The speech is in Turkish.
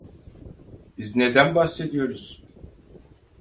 Biz neden bahsediyoruz?